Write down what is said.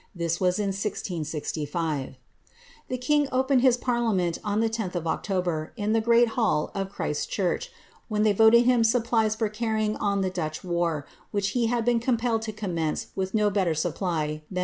^ This was in 1665. The king opened his parliament on the 10th of October, in the great hall of Christ Church, when they voted him supplies for carrying on the Dutch war, which he had been compelled to commence with no better supply than 100,000